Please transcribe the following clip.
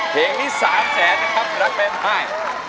เพลงที่๓แสนนะครับรักแม่มาย